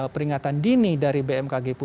peringatan dini dari bmkg